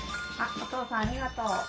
お父さんありがとう。